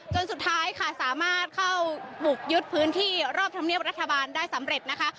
จนสุดท้ายค่ะสามารถเข้าบุกยึดพื้นที่รอบธรรมเนียบรัฐบาลได้สำเร็จนะคะ